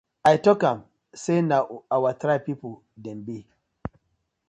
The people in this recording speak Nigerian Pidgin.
I tok am say na our tribe people dem bi.